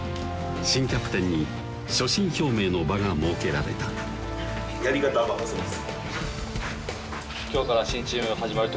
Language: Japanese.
新キャプテンに所信表明の場が設けられたやり方は任せます